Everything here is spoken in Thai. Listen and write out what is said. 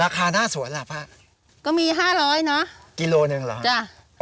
ค่าหน้าสวนหลับฮะก็มีห้าร้อยเนอะกิโลหนึ่งเหรอจ้ะ